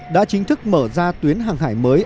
đã chính thức mở ra tuyến hàng hải mới